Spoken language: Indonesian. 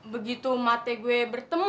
begitu mati gue bertemu